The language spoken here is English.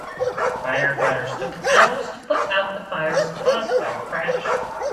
Firefighters took hours to put out the fires caused by the crash.